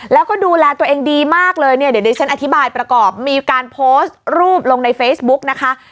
แล้วก็ดูแลตัวเองดีมากเลยเนี่ยเดี๋ยวดิฉันอธิบายประกอบมีการโพสต์รูปลงในเฟซบุ๊กนะคะ